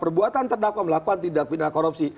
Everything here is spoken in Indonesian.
perbuatan terdakwa melakukan tindak pindah korupsi